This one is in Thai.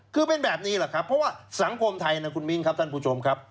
คือเป็นแบบนี้แหละครับเพราะว่าสังคมไทยนะคุณมิ้นครับท่านผู้ชมครับ